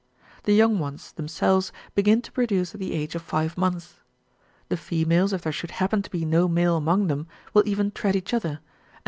The young ones, themselves, begin to produce at the age of five months. The females, if there should happen to be no male among them, will even tread each other, and lay 28 The pip.